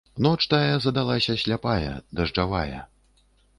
Ноч тая задалася сляпая, дажджавая.